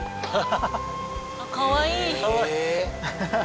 かわいい。